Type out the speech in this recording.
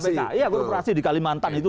iya kurupasi di kalimantan itu